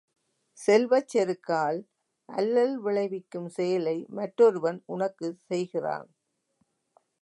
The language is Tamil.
செல்வச் செருக்கால் அல்லல் விளைவிக்கும் செயலை மற்றொருவன் உனக்குச் செய்கிறான்.